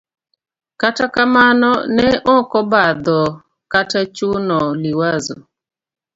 kata kamano ne ok obadho kata chuno Liwazo.